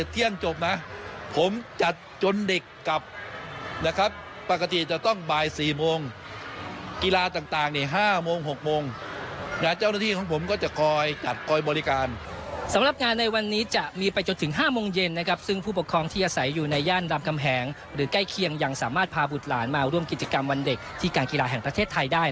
ที่ยังจบนะผมจัดจนเด็กกลับนะครับปกติจะต้องบ่าย๔โมงกีฬาต่าง๕โมง๖โมงและเจ้าหน้าที่ของผมก็จะคอยจัดคอยบริการสำหรับงานในวันนี้จะมีไปจนถึง๕โมงเย็นนะครับซึ่งผู้ปกครองที่อาศัยอยู่ในย่านรำกำแหงหรือใกล้เคียงยังสามารถพาบุตรหลานมาร่วมกิจกรรมวันเด็กที่การกีฬาแห่งประเ